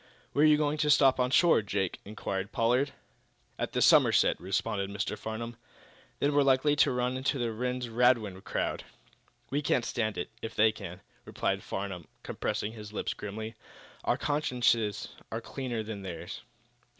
"Where are you going to stop on shore, Jake?" inquired Pollard. "At the Somerset," responded Mr. Farnum. "Then we're likely to run into that Rhinds Radwin crowd." "We can stand it, if they can," replied Farnum, compressing his lips grimly. "Our consciences are cleaner than theirs."